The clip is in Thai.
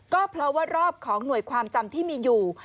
ก็เพราะว่ารอบของหน่วยความจำที่มีอยู่